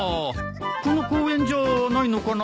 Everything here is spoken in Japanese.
この公園じゃないのかな。